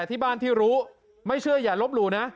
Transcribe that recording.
ที่บ้านที่รู้ไม่เชื่ออย่าลบหลู่นะ